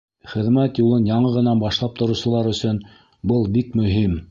Хеҙмәт юлын яңы ғына башлап тороусылар өсөн был бик мөһим.